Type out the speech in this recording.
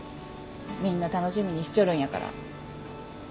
みんな楽しみにしちょるんやから。